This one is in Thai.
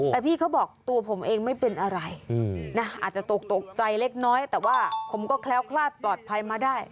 แต่พี่เขาบอกตัวผมเองไม่เป็นอะไรอาจจะตกตกใจเล็กน้อยแต่ว่าผมก็แคล้วคลาดปลอดภัยมาได้